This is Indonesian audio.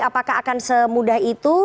apakah akan semudah itu